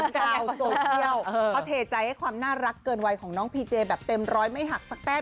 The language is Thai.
ชาวโซเชียลเขาเทใจให้ความน่ารักเกินวัยของน้องพีเจแบบเต็มร้อยไม่หักสักแต้ม